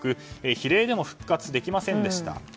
比例でも復活できませんでした。